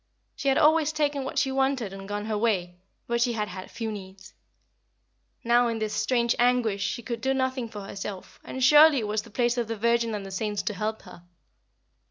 She had always taken what she wanted and gone her way; but she had had few needs. Now in this strange anguish she could do nothing for herself, and surely it was the place of the Virgin and the saints to help her.